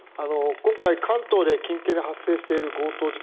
今回、関東近県で発生している強盗事件